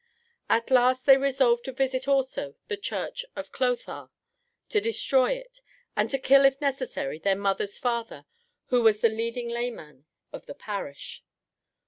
At last they resolved to visit also the church of Clothar, to destroy it, and to kill if necessary their mother's father, who was the leading layman of the parish.